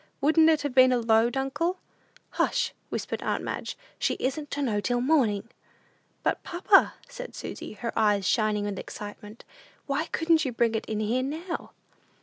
"Wouldn't it have been a load, uncle?" "Hush!" whispered aunt Madge; "she isn't to know till morning." "But, papa," said Susy, her eyes shining with excitement, "why couldn't you bring it in here now?"